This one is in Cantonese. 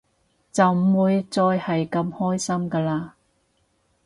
就唔會再係咁開心㗎喇